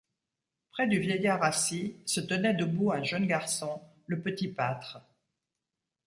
Près du vieillard assis se tenait debout un jeune garçon, le petit pâtre.